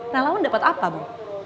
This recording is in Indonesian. nah lawan dapat apa bu